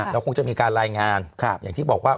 เราคงจะมีการรายงานอย่างที่บอกว่า